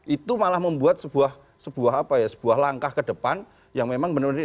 itu malah membuat sebuah langkah ke depan yang memang benar benar